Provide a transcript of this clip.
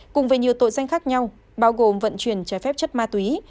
cùng với nhiều tội danh khác nhau bao gồm vận chuyển trái phép chất ma túy